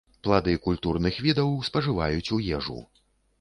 Плады культурных відаў спажываюць у ежу.